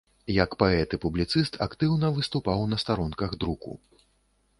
Як паэт і публіцыст актыўна выступаў на старонках друку.